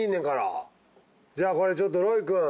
じゃあこれちょっとロイ君。